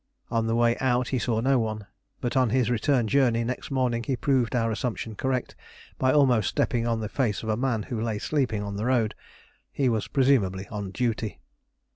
On the way out he saw no one; but on his return journey next morning he proved our assumption correct by almost stepping on the face of a man who lay sleeping on the road. He was presumably on duty.